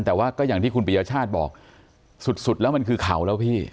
แต่ว่าก็อย่างที่คุณปียชาติบอกสุดแล้วมันคือเขาแล้วพี่